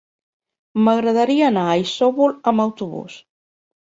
M'agradaria anar a Isòvol amb autobús.